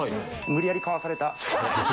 無理やり買わされた。